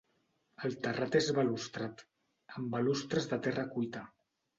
El terrat és balustrat, amb balustres de terra cuita.